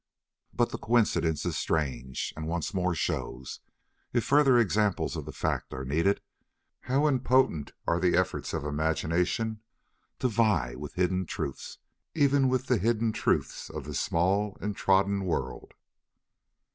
But the coincidence is strange, and once more shows, if further examples of the fact are needed, how impotent are the efforts of imagination to vie with hidden truths—even with the hidden truths of this small and trodden world.